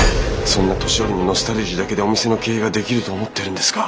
そんな年寄りのノスタルジーだけでお店の経営ができると思ってるんですか？